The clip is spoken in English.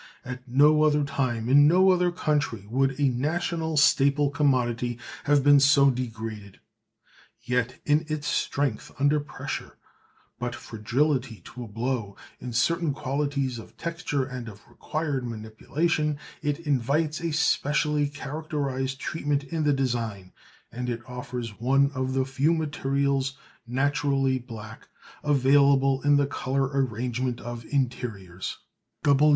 At no other time and in no other country would a national staple commodity have been so degraded. Yet in its strength under pressure, but fragility to a blow, in certain qualities of texture and of required manipulation, it invites a specially characterised treatment in the design, and it offers one of the few materials naturally black available in the colour arrangement of interiors.